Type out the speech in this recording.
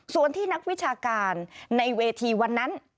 ส่วนที่นักวิชาการในเวทีวันนั้น